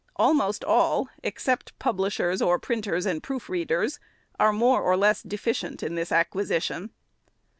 Almost all, except publishers or printers and proof readers, are more or less deficient in this acquisition.